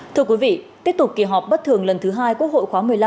thưa quý vị tiếp tục kỳ họp bất thường lần thứ hai quốc hội khóa một mươi năm